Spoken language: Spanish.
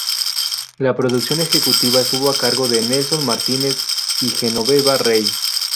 La producción ejecutiva estuvo a cargo de Nelson Martinez y Genoveva Rey.